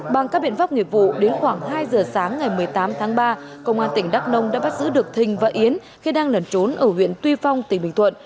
bằng các biện pháp nghiệp vụ đến khoảng hai giờ sáng ngày một mươi tám tháng ba công an tỉnh đắk nông đã bắt giữ được thình và yến khi đang lẩn trốn ở huyện tuy phong tỉnh bình thuận